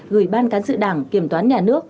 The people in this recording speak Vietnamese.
gửi ban cán sự đảng kiểm toán nhà nước